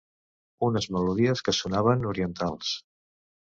Unes melodies que sonaven orientals.